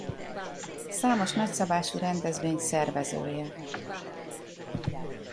Számos nagyszabású rendezvény szervezője.